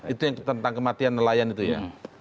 itu yang tentang kematian nelayan itu ya